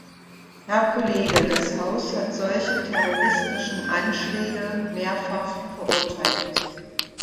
Herr Kollege, das Haus hat solche terroristischen Anschläge mehrfach verurteilt.